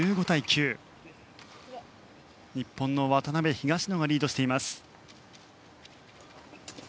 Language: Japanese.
日本の渡辺、東野がリードしています。